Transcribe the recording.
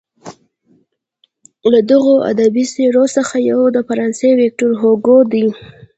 له دغو ادبي څیرو څخه یو د فرانسې ویکتور هوګو دی.